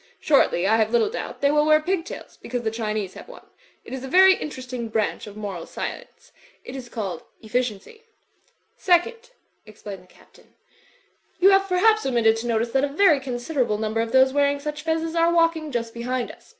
Shortly, I have little doubt, they will wear pigtails, because the Chinese have won. It is a very interesting branch of moral science. It is called Efficiency. "Second," explained the Captain, "you have, per haps, omitted to notice that a very considerable num ber of those wearing such fezzes are walking just be hind us.